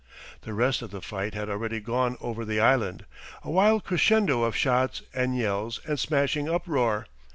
The rest of the fight had already gone over the island, a wild crescendo of shots and yells and smashing uproar.